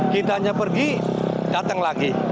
kita hanya pergi datang lagi